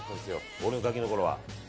俺がガキのころは。